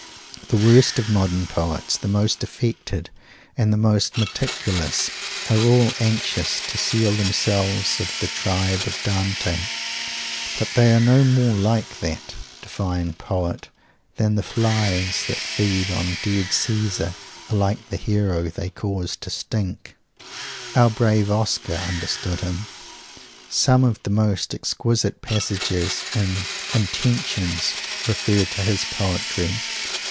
The worst of modern poets, the most affected and the most meticulous, are all anxious to seal themselves of the tribe of Dante. But they are no more like that divine poet than the flies that feed on a dead Caesar are like the hero they cause to stink! Our brave Oscar understood him. Some of the most exquisite passages in "Intentions" refer to his poetry.